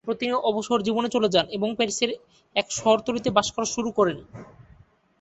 এরপর তিনি অবসর জীবনে চলে যান এবং প্যারিসের এক শহরতলীতে বাস করা শুরু করেন।